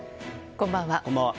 こんばんは。